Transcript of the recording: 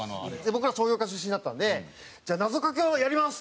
僕ら商業科出身だったんで「じゃあなぞかけをやります！」